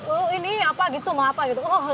oh ini apa gitu mau apa gitu